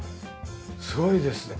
すごいですね。